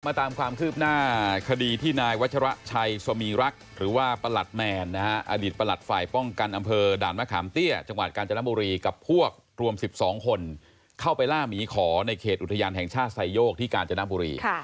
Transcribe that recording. ตามความคืบหน้าคดีที่นายวัชระชัยสมีรักษ์หรือว่าประหลัดแมนนะฮะอดีตประหลัดฝ่ายป้องกันอำเภอด่านมะขามเตี้ยจังหวัดกาญจนบุรีกับพวกรวม๑๒คนเข้าไปล่าหมีขอในเขตอุทยานแห่งชาติไซโยกที่กาญจนบุรี